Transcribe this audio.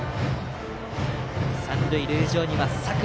三塁塁上には佐倉。